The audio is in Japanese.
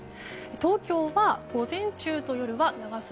東京は午前中と夜は長袖。